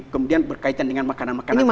kemudian berkaitan dengan makanan makanan lain